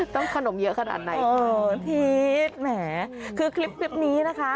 ต้องขนมเยอะขนาดไหนค่ะโอ้ทิศแหมคือคลิปนี้นะคะ